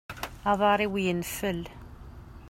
Aḍar-iw yenfel.